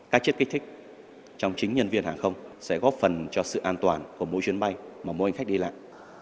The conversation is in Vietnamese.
các chất kích thích trong chính nhân viên hàng không sẽ góp phần cho sự an toàn của mỗi chuyến bay mà mỗi hành khách đi lại